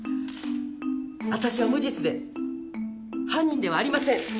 私は無実で犯人ではありません。